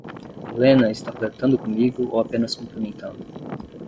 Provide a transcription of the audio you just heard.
Lena está flertando comigo ou apenas cumprimentando?